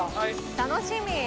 楽しみ。